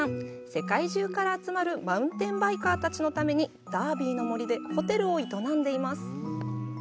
世界中から集まるマウンテンバイカーたちのためにダービーの森でホテルを営んでいます。